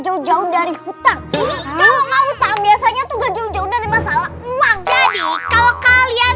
jauh jauh dari hutang kalau hutang biasanya tuh gak jauh jauh dari masalah uang jadi kalau kalian